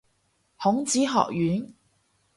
孔子學院